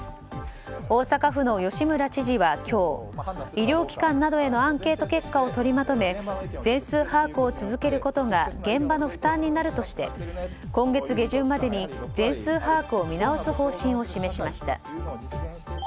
大阪府の吉村知事は今日医療機関などへのアンケート結果を取りまとめ全数把握を続けることが現場の負担になるとして今月下旬までに全数把握を見直す方針を示しました。